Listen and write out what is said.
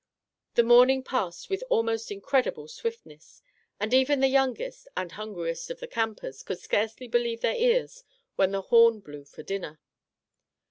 The morning passed with almost incredible Our Little Canadian Cousin 59 swiftness, and even the youngest (and hungri est) of the campers could scarcely believe their ears when the horn blew for dinner.